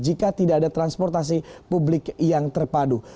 jika tidak ada transportasi publik yang terpadu